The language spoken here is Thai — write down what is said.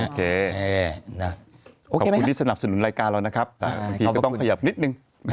ขอบคุณที่สนับสนุนรายการเรานะครับบางทีก็ต้องขยับนิดนึง